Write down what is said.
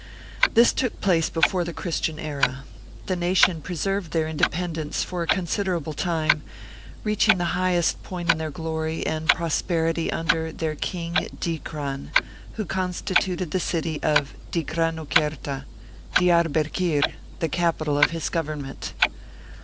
This took place before the Christian era. The nation preserved their independence for a considerable time, reaching the highest point of their glory and prosperity under, their king Dikran, who constituted the city of Dikranokerta Diarbekir the capital of his Government.